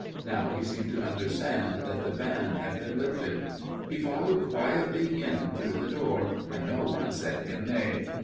Now he seemed to understand that the ban had been lifted. He followed quietly in through the door, and no one said him nay.